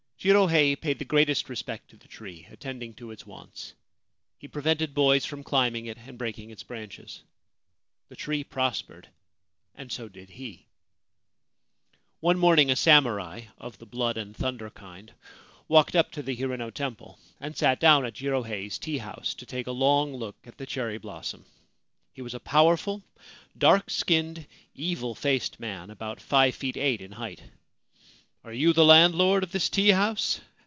Jirohei paid the greatest respect to the tree, attending to its wants. He prevented boys from climbing it and breaking its branches. The tree prospered, and so did he. One morning a samurai (of the blood and thunder kind) walked up to the Hirano Temple, and sat down at Jirohei's tea house, to take a long look at the cherry blossom. He was a powerful, dark skinned, evil faced man about five feet eight in height. ' Are you the landlord of this tea house